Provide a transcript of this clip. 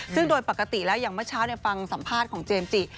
ซึ่งโดยปกติแล้วอย่างเมื่อเช้าฟังสัมภาษณ์ของเจมส์จิ